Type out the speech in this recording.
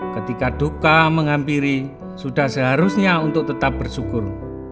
ketika duka menghampiri sudah seharusnya untuk tetap bersyukur